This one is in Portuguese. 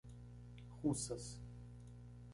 Russas